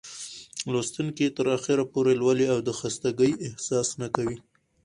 لوستونکى يې تر اخره پورې لولي او د خستګۍ احساس نه کوي.